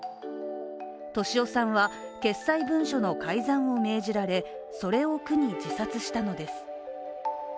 俊夫さんは決裁文書の改ざんを命じられそれを苦に自殺したのです。